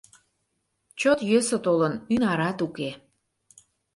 Чот йӧсӧ толын, ӱнарат уке...